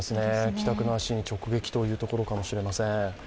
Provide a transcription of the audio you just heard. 帰宅の足に直撃ということかもしれません。